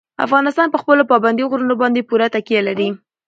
افغانستان په خپلو پابندي غرونو باندې پوره تکیه لري.